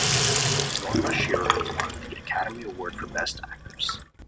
Norma Shearer won the Academy Award for Best Actress.